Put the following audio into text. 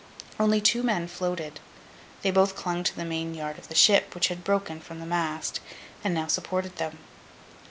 Only two men floated. They both clung to the main yard of the ship, which had broken from the mast, and now supported them.